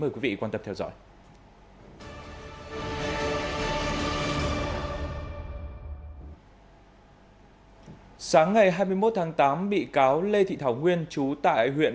mời quý vị quan tâm theo dõi ừ ừ ở sáng ngày hai mươi một tháng tám bị cáo lê thị thảo nguyên chú tại huyện